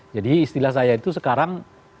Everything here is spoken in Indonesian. jadi istilah saya itu sekarang